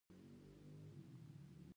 کومې نامتو څېرې پیژنئ باید ځواب شي.